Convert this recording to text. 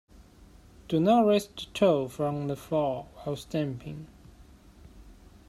Do not raise the toe from the floor while stamping.